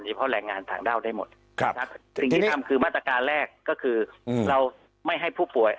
เพราะแรงงานต่างด้าวได้หมดสิ่งที่ทำคือมาตรการแรกก็คือเราไม่ให้ผู้ป่วย